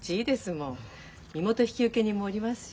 身元引受人もおりますし。